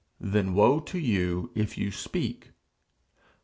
Then woe to you if you speak.